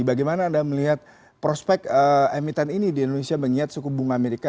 bagaimana anda melihat prospek emiten ini di indonesia mengingat suku bunga amerika